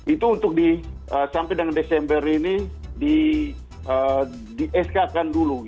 itu untuk sampai dengan desember ini di eskakan dulu